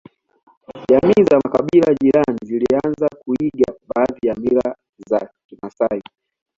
Jamii za makabila jirani zilianza kuiga baadhi ya mila za kimasai